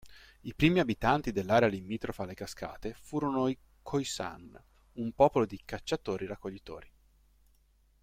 I primi abitanti dell'area limitrofa alle cascate furono i Khoisan, un popolo di cacciatori-raccoglitori.